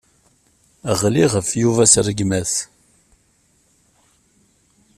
Ɣliɣ ɣef Yuba s rregmat.